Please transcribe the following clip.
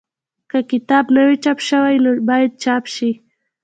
که کتاب نه وي چاپ شوی نو باید چاپ شي.